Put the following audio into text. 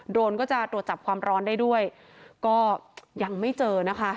รนก็จะตรวจจับความร้อนได้ด้วยก็ยังไม่เจอนะคะ